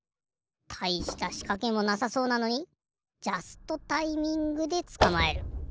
たいしたしかけもなさそうなのにジャストタイミングでつかまえる。